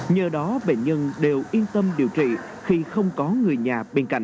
nhờ đó bệnh nhân đều yên tâm điều trị khi không có người nhà bên cạnh